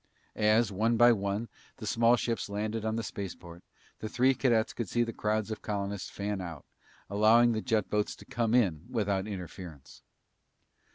As, one by one, the small ships landed on the spaceport, the three cadets could see the crowds of colonists fan out, allowing the jet boats to come in without interference.